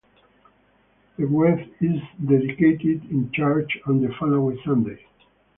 The wreath is dedicated in church on the following Sunday.